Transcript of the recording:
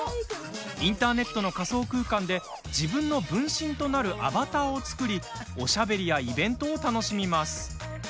インターネットの仮想空間で自分の分身となるアバターを作りおしゃべりやイベントを楽しみます。